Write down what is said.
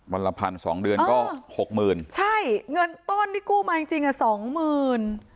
วันละพันสองเดือนก็หกหมื่นใช่เงินต้นที่กู้มาจริงจริงอ่ะสองหมื่น